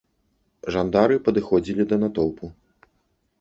Жандары падыходзілі да натоўпу.